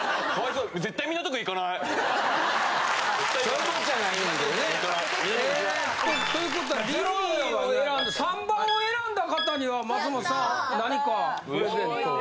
そういうこっちゃないんやけどね。ということはリリーを選んだ③番を選んだ方には松本さん何かプレゼントを。